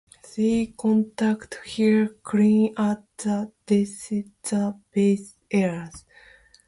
She continued her career at the Deutsches Theater Buenos Aires.